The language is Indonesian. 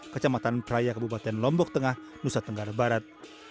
kecamatan praia kabupaten lombok tengah nusa tenggara barat